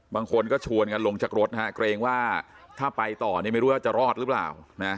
บางคนก็ชวนกันลงจากรถนะฮะเกรงว่าถ้าไปต่อนี่ไม่รู้ว่าจะรอดหรือเปล่า